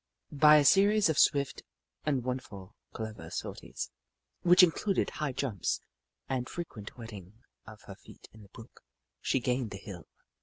By a series of swift and wonderfully clever sorties, which included high jumps and fre quent wetting of her feet in the brook, she gained the hill.